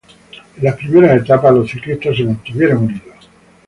En las primeras etapas, los ciclistas se mantuvieron unidos.